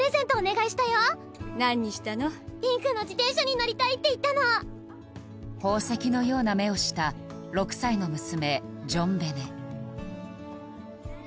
ピンクの自転車に乗りたいって言ったの宝石のような目をした６歳の娘